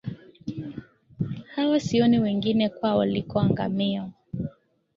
Hawa, sioni wengine, kwao liko angamiyo